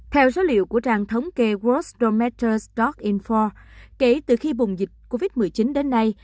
theo dữ liệu của trang thống kê world dormitories info kể từ khi bùng dịch covid một mươi chín đến nay